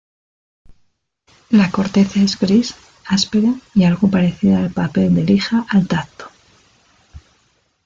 La corteza es gris, áspera y algo parecida al papel de lija al tacto.